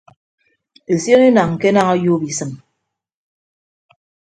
Esion enañ ke enañ ọyuup isịm.